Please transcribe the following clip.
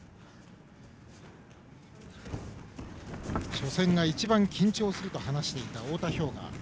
初戦が一番緊張すると話していた、太田彪雅。